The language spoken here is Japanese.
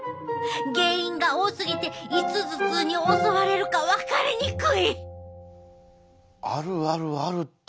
原因が多すぎていつ頭痛に襲われるか分かりにくい！